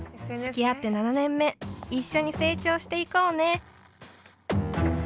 付き合って７年目一緒に成長していこうね」。